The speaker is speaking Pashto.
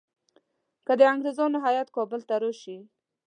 که د انګریزانو هیات کابل ته راشي.